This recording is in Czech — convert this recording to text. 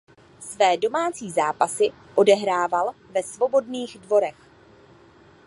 Své domácí zápasy odehrával ve Svobodných Dvorech.